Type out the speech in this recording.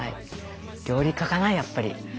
料理家かなやっぱり。